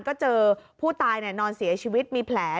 ก็เจอผู้ตายนอนเสียชีวิตมีแผล